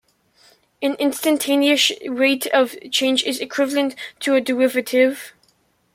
An instantaneous rate of change is equivalent to a derivative.